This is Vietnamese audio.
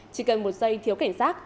chỉ cần một giây thiếu cảnh sát